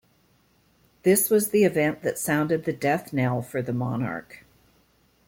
This was the event that sounded the death knell for the monarch.